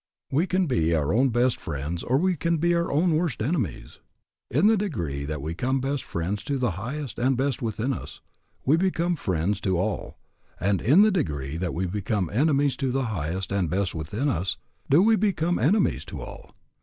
We can be our own best friends or we can be our own worst enemies. In the degree that we become friends to the highest and best within us, we become friends to all; and in the degree that we become enemies to the highest and best within us, do we become enemies to all.